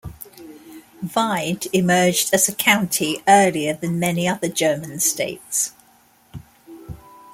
Wied emerged as a County earlier than many other German states.